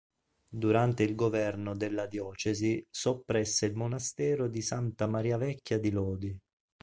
Durante il governo della diocesi soppresse il monastero di Santa Maria Vecchia di Lodi.